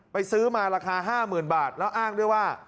ซื้อมาราคา๕๐๐๐บาทแล้วอ้างด้วยว่า